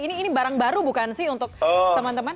ini barang baru bukan sih untuk teman teman